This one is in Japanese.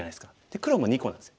黒も２個なんですよ。